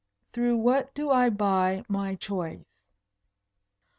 "Through what do I buy my choice?"